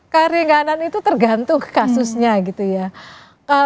keringanan itu tergantung kasusnya gitu ya